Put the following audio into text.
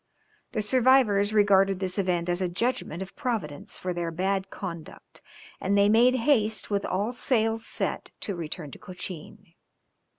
The survivors regarded this event as a judgment of Providence for their bad conduct, and they made haste, with all sails set to return to Cochin.